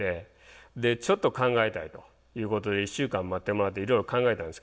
でちょっと考えたいということで１週間待ってもらっていろいろ考えたんですけど。